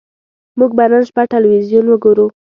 موږ به نن شپه ټلویزیون وګورو